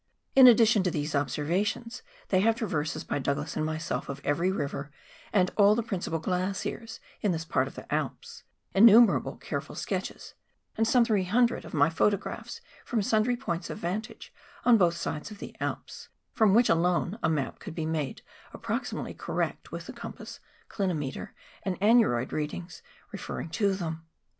In addition to these observations, they have traverses by Douglas and myself of e\erj river and all the principal glaciers in this part of the Alps — innumerable careful sketches — and some 300 of my photographs from sundry points of vantage on both sides of the Alps, from which alone a map could be made approximately correct with the compass, clinometer, and aneroid readings referring to them.